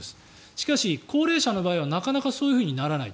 しかし、高齢者の場合はなかなかそうならない。